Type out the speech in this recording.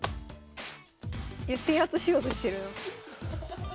制圧しようとしてるな。